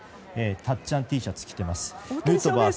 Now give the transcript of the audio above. たっちゃんＴシャツを着ています。